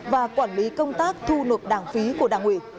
và quản lý công tác thu nộp đảng phí của đảng ủy